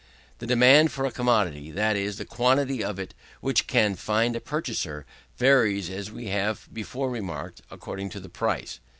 The demand for a commodity, that is, the quantity of it which can find a purchaser, varies, as we have before remarked, according to the price.